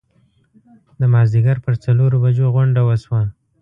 د مازیګر پر څلورو بجو غونډه وشوه.